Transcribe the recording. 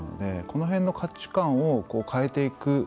この辺の価値観を変えていく。